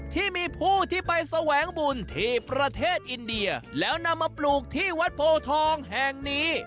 ที่มีผู้ที่ไปแสวงบุญที่ประเทศอินเดียแล้วนำมาปลูกที่วัดโพทองแห่งนี้